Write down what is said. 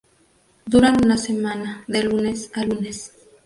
Duran una semana, de lunes a lunes.